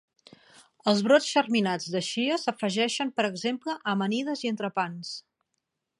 Els brots germinats de xia s'afegeixen per exemple a amanides i entrepans.